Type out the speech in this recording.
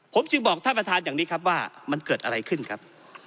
ผมจึงบอกท่านประธานอย่างนี้ครับว่ามันเกิดอะไรขึ้นครับ